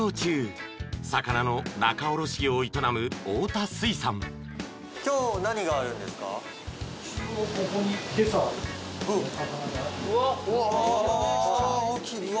大きい！